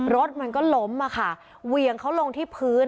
รถมันก็ล้มอะค่ะเหวี่ยงเขาลงที่พื้น